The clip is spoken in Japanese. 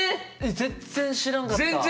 全然知らんかった。